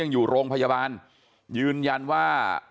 อยู่โรงพยาบาลยืนยันว่า